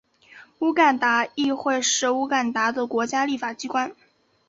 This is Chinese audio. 乌干达议会是乌干达的国家立法机关。